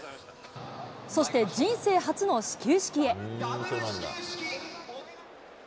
そして人生初の始球式へ。